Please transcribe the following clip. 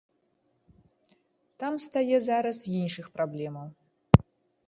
Там стае зараз іншых праблемаў.